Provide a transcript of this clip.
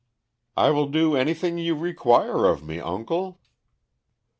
"I will do anything you require of me, uncle."